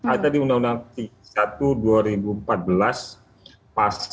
ada di undang undang tiga puluh satu dua ribu empat belas pasal yang tadi saya tulis di dalam kata kata yang tadi